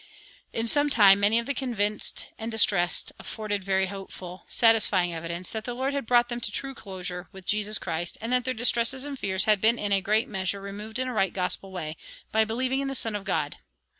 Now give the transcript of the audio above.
"In some time many of the convinced and distressed afforded very hopeful, satisfying evidence that the Lord had brought them to true closure with Jesus Christ, and that their distresses and fears had been in a great measure removed in a right gospel way, by believing in the Son of God.